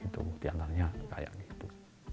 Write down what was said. di antaranya kayak gitu